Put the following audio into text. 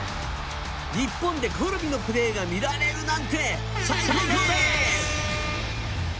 日本でコルビのプレーが見られるなんて最ＫＯＯです！